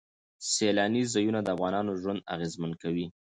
سیلانی ځایونه د افغانانو ژوند اغېزمن کوي.